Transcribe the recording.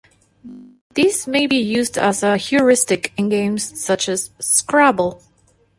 This may be used as a heuristic in games such as "Scrabble".